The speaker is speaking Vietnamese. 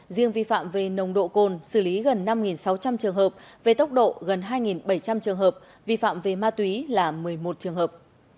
riêng vi phạm về nồng độ cồn xử lý gần năm sáu trăm linh trường hợp về tốc độ gần hai bảy trăm linh trường hợp vi phạm về ma túy là một mươi một trường hợp